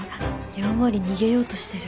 やんわり逃げようとしてる。